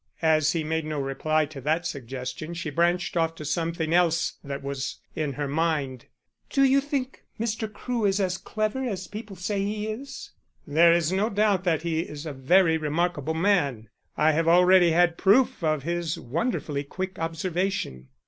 As he made no reply to that suggestion she branched off to something else that was in her mind: "Do you think Mr. Crewe is as clever as people say he is?" "There is no doubt that he is a very remarkable man. I have already had proof of his wonderfully quick observation."